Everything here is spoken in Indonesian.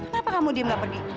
kenapa kamu diem nggak pergi